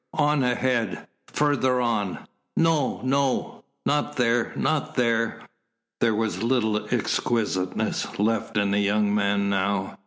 "On ahead!" "Further on!" "No! no! Not there! Not there!" There was little exquisiteness left in the young man now.